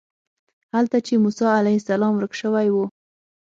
هلته چې موسی علیه السلام ورک شوی و.